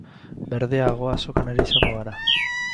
Berdeago azokan ere izango gara.